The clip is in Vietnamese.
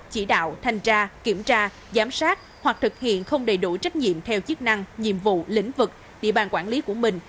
hoặc thực hiện không đầy đủ trách nhiệm theo chức năng nhiệm vụ lĩnh vực địa bàn quản lý của mình